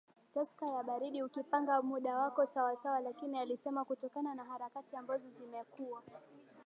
Tusker ya baridiUkipanga muda wako sawasawaLakini alisema kutokana na harakati ambazo zimekuwa